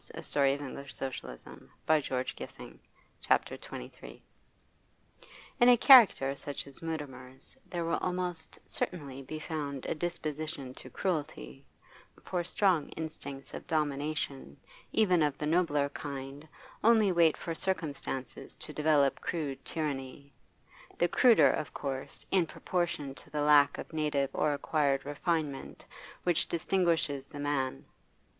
They lay in unbroken silence till both slept. CHAPTER XXIII In a character such as Mutimer's there will almost certainly be found a disposition to cruelty, for strong instincts of domination, even of the nobler kind, only wait for circumstances to develop crude tyranny the cruder, of course, in proportion to the lack of native or acquired refinement which distinguishes the man.